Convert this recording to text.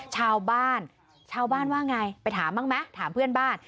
ชาวบ้านชาวบ้านว่าไงไปถามบ้างไหมถามเพื่อนบ้าน